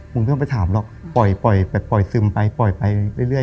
มึงไม่ต้องไปถามหรอกปล่อยปล่อยแบบปล่อยซึมไปปล่อยไปเรื่อยเรื่อย